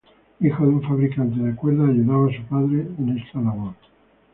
Hijo de un fabricante de cuerdas, ayudaba a su padre en esta labor.